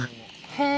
へえ。